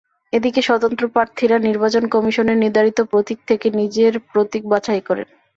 এদিকে স্বতন্ত্র প্রার্থীরা নির্বাচন কমিশনের নির্ধারিত প্রতীক থেকে নিজের প্রতীক বাছাই করেন।